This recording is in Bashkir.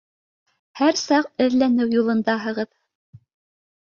Һәр саҡ эҙләнеү юлындаһығыҙ.